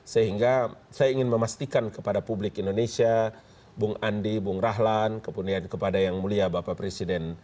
sehingga saya ingin memastikan kepada publik indonesia bung andi bung rahlan kemudian kepada yang mulia bapak presiden